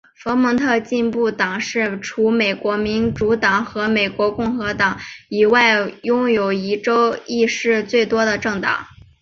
佛蒙特进步党是除美国民主党和美国共和党以外拥有州议席最多的政党。